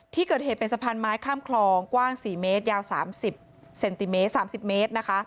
ที่เกิดเหตุเป็นสะพานไม้ข้ามคลองกว้าง๔เมตรยาว๓๐เซนติเมตร๓๐เมตรนะคะ